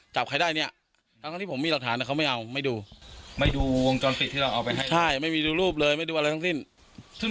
ใช่ไม่มีดูรูปเลยไม่ดูอะไรทั้งสิ้น